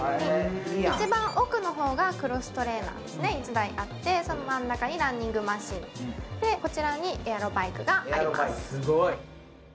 一番奥の方がクロストレーナーが１台あってその真ん中にランニングマシン、こちらにエアロバイクがあります。